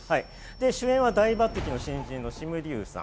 主演は大抜てきの新人のシム・リウさん。